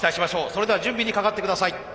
それでは準備にかかって下さい。